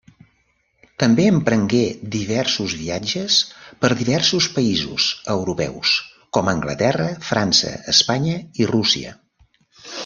També emprengué diversos viatges per diversos països europeus, com Anglaterra, França, Espanya i Rússia.